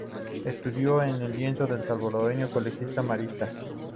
Estudió en el Liceo Salvadoreño, colegio marista.